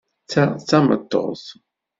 Ta d tameṭṭut.